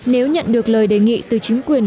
nếu nhận được lời đề nghị từ chính quyền